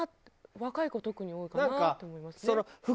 若い子特に多いかなと思いますね。